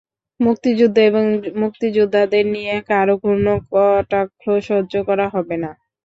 মুক্তিযুদ্ধ এবং মুক্তিযোদ্ধাদের নিয়ে কারও কোনো কটাক্ষ সহ্য করা হবে না।